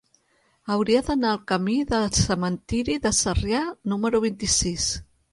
Hauria d'anar al camí del Cementiri de Sarrià número vint-i-sis.